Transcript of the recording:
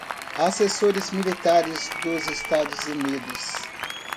há assessores militares dos Estados Unidos